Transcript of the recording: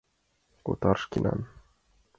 Отар шкенан!